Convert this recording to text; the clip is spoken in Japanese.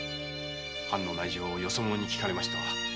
藩の内情をよそ者に聞かれましては。